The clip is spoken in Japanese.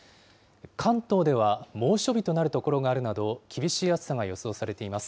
関東では猛暑日となる所があるなど、厳しい暑さが予想されています。